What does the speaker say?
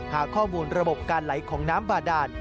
หาข้อมูลระบบการไหลของน้ำบาดาน